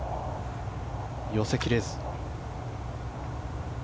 寄せ切れず。